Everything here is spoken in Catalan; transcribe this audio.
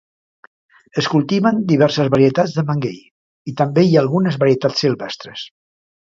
Es cultiven diverses varietats de maguei i també hi ha algunes varietats silvestres.